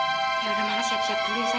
ya udah mama siap siap dulu ya sayang